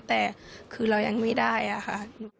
แต่คือเรายังไม่ได้อะค่ะ